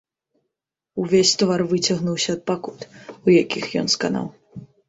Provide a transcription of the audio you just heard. Увесь твар выцягнуўся ад пакут, у якіх ён сканаў.